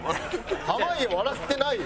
濱家笑ってないよ。